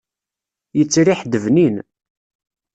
Yettriḥ-d bnin.